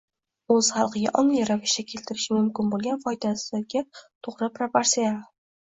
o‘z xalqiga ongli ravishda keltirishi mumkin bo‘lgan foydasiga to‘g‘ri proporsional